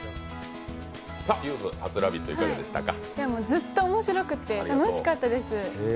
ずっと面白くて楽しかったです。